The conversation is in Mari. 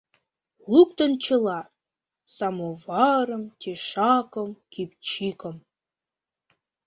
Луктыт чыла: самоварым, тӧшакым, кӱпчыкым.